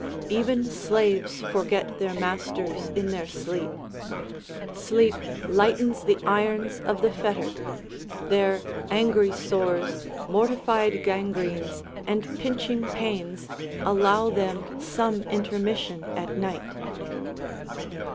Even slaΛ^es forget their masters in their sleep ; sleep lightens the irons of the fettered ; their angry sores, mortified gangrenes, and pinching pains allow them some intermission at night.